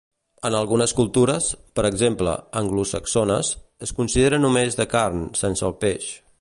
En algunes cultures -per exemple, anglosaxones- es considera només de carn, sense el peix.